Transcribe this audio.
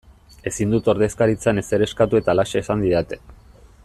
Ezin dut ordezkaritzan ezer eskatu eta halaxe esan didate.